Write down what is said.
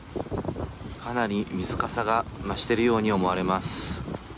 かなり水かさが増しているように思われます。